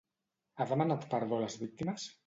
Ha demanat perdó a les víctimes?